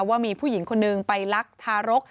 ว่ามีผู้หญิงคนนึงไปลักทารก